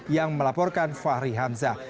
yang melaporkan fahri hamzah